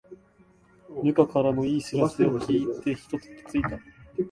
部下からの良い知らせを聞いてひと息ついた